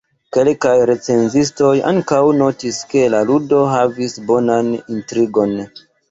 Kelkaj recenzistoj ankaŭ notis ke la ludo havis bonan intrigon.